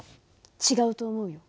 違うと思うよ。